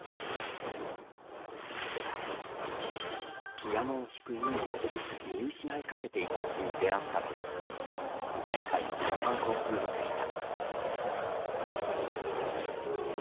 ピアノを弾く意味を見失いかけていたときに出会ったのが前回のショパンコンクールでした。